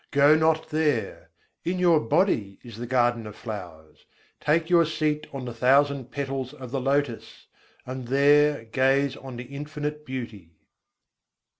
go not there; In your body is the garden of flowers. Take your seat on the thousand petals of the lotus, and there gaze on the Infinite Beauty.